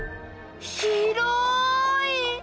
広い！